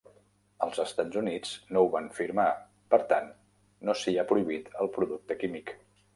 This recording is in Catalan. Els Estats Units no ho van firmar, per tant, no s'hi ha prohibit el producte químic.